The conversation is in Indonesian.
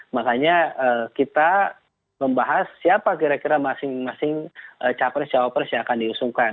makanya kita membahas siapa kira kira masing masing capres capres yang akan diusungkan